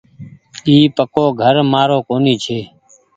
اي پڪو گهر مآرو ڪونيٚ ڇي ۔